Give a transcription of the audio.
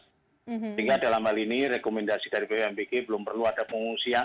sehingga dalam hal ini rekomendasi dari bmbg belum perlu ada pengungsian